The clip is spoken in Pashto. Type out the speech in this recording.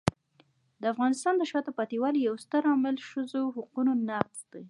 د افغانستان د شاته پاتې والي یو ستر عامل ښځو حقونو نقض دی.